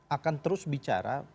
akan terus bicara